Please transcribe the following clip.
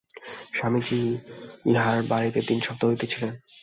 স্বামীজী ইঁহার বাড়ীতে তিন সপ্তাহ অতিথি ছিলেন।